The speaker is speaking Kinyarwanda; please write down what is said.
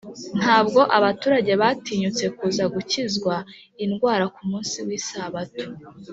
ntabwo abaturage batinyutse kuza gukizwa indwara ku munsi w’isabato